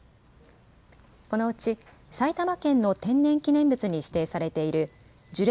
このうち埼玉県の天然記念物に指定されている樹齢